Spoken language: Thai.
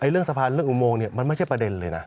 เรื่องสะพานเรื่องอุโมงมันไม่ใช่ประเด็นเลยนะ